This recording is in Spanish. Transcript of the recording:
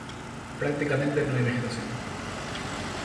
Prácticamente no hay vegetación.